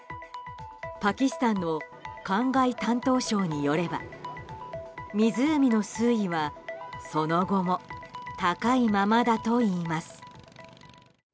パキスタンの灌漑担当相によれば湖の水位はその後も高いままだといいます。